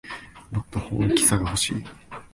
もっと本気さがほしい